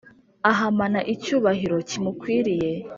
Ahamana icyubahiro kimukwiriye